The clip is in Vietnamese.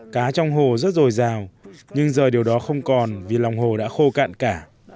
cá trong hồ rất rồi rào nhưng giờ điều đó không còn vì lòng hồ đã khô cạn cả